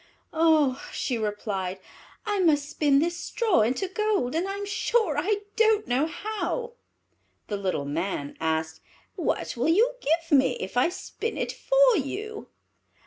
"Ah," she replied, "I must spin this straw into gold, and I am sure I do not know how." The little Man asked, "What will you give me if I spin it for you?"